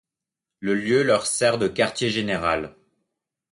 Le lieu leur sert de quartier général.